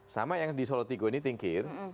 sama yang di solotigo ini tingkir